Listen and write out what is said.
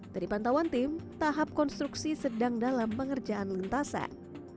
dari pantauan tim tahap konstruksi sedang dalam pengerjaan lintasan